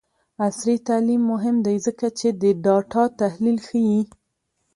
عصري تعلیم مهم دی ځکه چې د ډاټا تحلیل ښيي.